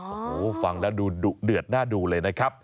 โอ้โหฟังแล้วดูดุเดือดหน้าดูเลยนะครับ